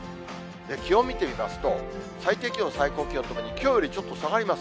気温見てみますと、最低気温、最高気温ともにきょうよりちょっと下がります。